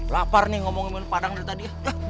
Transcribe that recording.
lapar nih ngomongin padang dari tadi ya